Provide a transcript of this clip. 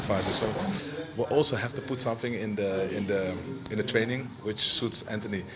jadi kita juga harus melakukan sesuatu di latihan yang sesuai dengan antoni